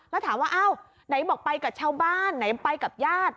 แล้วถามว่าอ้าวไหนบอกไปกับชาวบ้านไหนไปกับญาติ